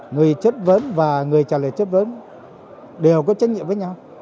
người chất vấn và người trả lời chất vấn đều có trách nhiệm với nhau